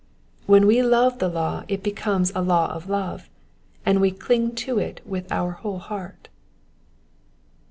When we love the law it becomes a law of love, and we cling to it with our whole heart.